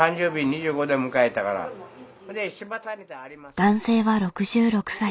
男性は６６歳。